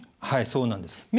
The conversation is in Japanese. はいそうなんです。